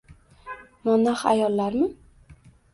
Monax ayollarmi?